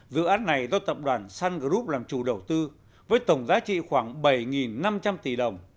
dự án này do tập đoàn sun group làm chủ đầu tư với tổng giá trị khoảng bảy năm trăm linh tỷ đồng